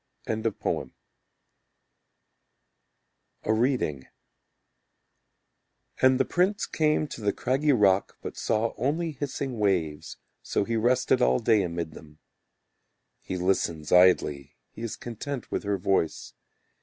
A Reading "And the prince came to the craggy rock But saw only hissing waves So he rested all day amid them." He listens idly, He is content with her voice.